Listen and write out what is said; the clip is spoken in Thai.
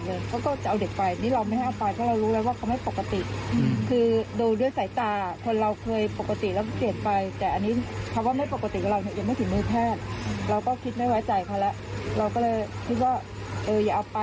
เราก็เลยคิดว่าอย่าเอาไปแต่เค้าจี๋นเฉี่ยว